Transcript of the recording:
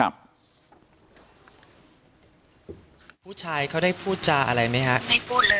ไม่พูดเลยเพราะหน้าตาก็ไม่ได้ยินแจ้ม